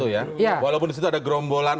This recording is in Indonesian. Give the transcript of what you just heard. walaupun di situ ada grombolan